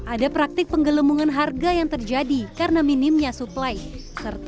ada praktik penggelembungan harga dan perubahan gaya hidup masyarakat